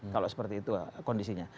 kalau seperti itu kondisinya